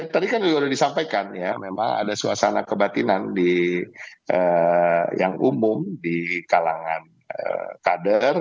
tadi kan juga sudah disampaikan ya memang ada suasana kebatinan yang umum di kalangan kader